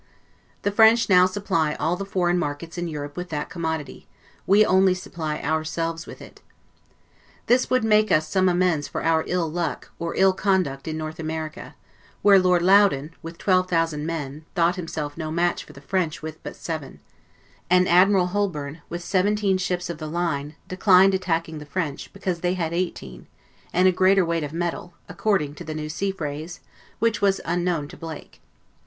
The French now supply all the foreign markets in Europe with that commodity; we only supply ourselves with it. This would make us some amends for our ill luck, or ill conduct in North America; where Lord Loudon, with twelve thousand men, thought himself no match for the French with but seven; and Admiral Holborne, with seventeen ships of the line, declined attacking the French, because they had eighteen, and a greater weight of METAL, according to the new sea phrase, which was unknown to Blake.